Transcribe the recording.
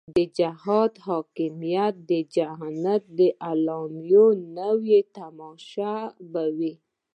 د جهادي حاکمیت د جنتي علایمو نوې تماشه به وي.